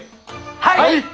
はい！